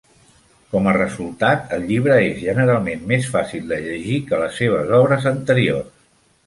Com a resultat, el llibre és generalment més fàcil de llegir que les seves obres anteriors.